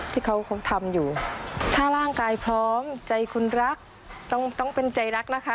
ที่เขาทำอยู่ถ้าร่างกายพร้อมใจคุณรักต้องเป็นใจรักนะคะ